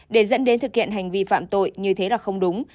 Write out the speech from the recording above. để dẫn đến thực hiện hành vi phạm tội như thế là không đúng